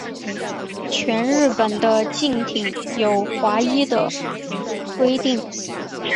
全日本的竞艇有划一的规定。